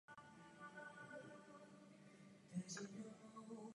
Měl bratra George Samuela.